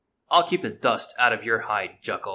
I 'll keep the dust out of your hide, Jucal."